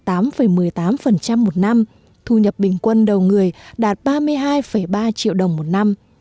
trong một mươi tám một mươi tám một năm thu nhập bình quân đầu người đạt ba mươi hai ba triệu đồng một năm